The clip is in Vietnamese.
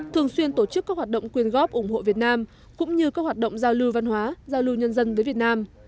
thường xuyên tổ chức các hoạt động quyên góp ủng hộ việt nam cũng như các hoạt động giao lưu văn hóa giao lưu nhân dân với việt nam